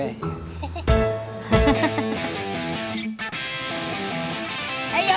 eh ya allah